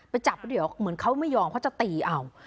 จับแล้วเดี๋ยวเหมือนเขาไม่ยอมเขาจะตีเอา